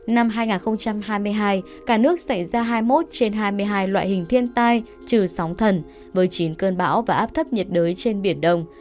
năm hai nghìn hai mươi hai cả nước xảy ra hai mươi một trên hai mươi hai loại hình thiên tai trừ sóng thần với chín cơn bão và áp thấp nhiệt đới trên biển đông